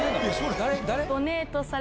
誰？